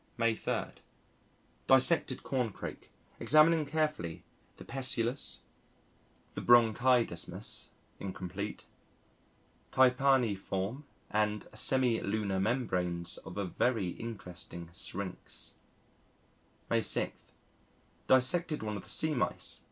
May 3. Dissected Corncrake, examining carefully the pessulus, bronchidesmus (incomplete), tympani form and semi lunar membranes of a very interesting syrinx.... May 6. Dissected one of the Sea Mice.